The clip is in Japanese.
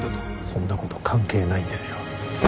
そんなこと関係ないんですよ